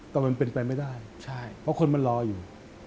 แต่มันเป็นไปไม่ได้เพราะคนมันรออยู่